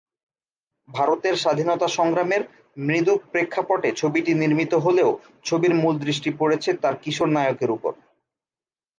ভারতের স্বাধীনতা সংগ্রামের মৃদু প্রেক্ষাপটে ছবিটি নির্মিত হলেও ছবির মূল দৃষ্টি পড়েছে তার কিশোর নায়কের উপরে।